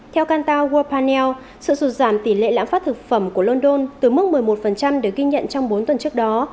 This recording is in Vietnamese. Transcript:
theo qanta wall panel sự sụt giảm tỷ lệ lãng phát thực phẩm của london từ mức một mươi một được ghi nhận trong bốn tuần trước đó